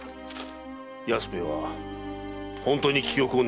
安兵衛は本当に記憶をなくしている。